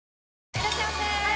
いらっしゃいませ！